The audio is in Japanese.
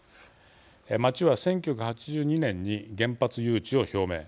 町は、１９８２年に原発誘致を表明。